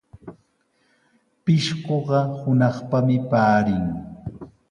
Pishquqa hunaqpami paarin.